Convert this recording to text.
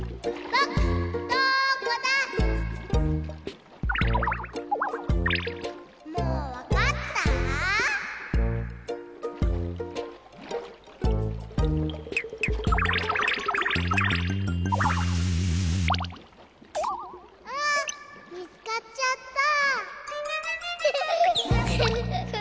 あっみつかっちゃった！